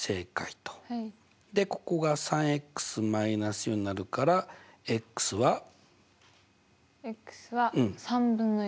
でここが３−４になるからは？は３分の４。